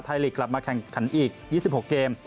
ลีกกลับมาแข่งขันอีก๒๖เกม